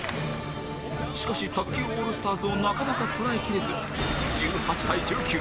しかし卓球オールスターズをなかなか捉えきれず１８対１９